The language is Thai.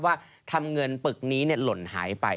ว่าทำเงินปึกนี้หล่นหายไป